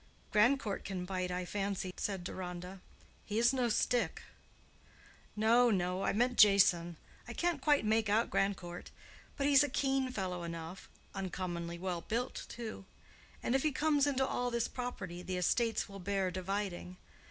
"Grandcourt can bite, I fancy," said Deronda. "He is no stick." "No, no; I meant Jason. I can't quite make out Grandcourt. But he's a keen fellow enough—uncommonly well built too. And if he comes into all this property, the estates will bear dividing.